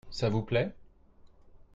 Ça vous plait ?